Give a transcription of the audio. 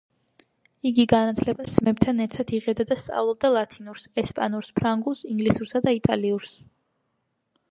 იგი განათლებას ძმებთან ერთად იღებდა და სწავლობდა ლათინურს, ესპანურს, ფრანგულს, ინგლისურსა და იტალიურს.